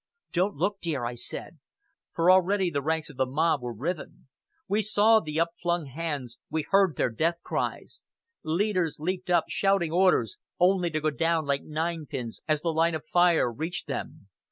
"Don't look, dear," I said, for already the ranks of the mob were riven. We saw the upflung hands, we heard their death cries. Leaders leaped up, shouting orders, only to go down like ninepins as the line of fire reached them.